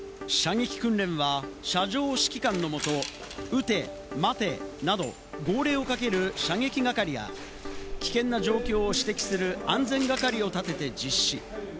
射撃訓練は射場指揮官の下、撃て、待てなど号令をかける射撃係や、危険な状況を指摘する安全係をたてて実施。